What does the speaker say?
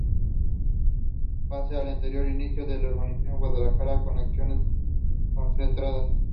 Pese a lo anterior, inició el urbanismo en Guadalajara con acciones concretas.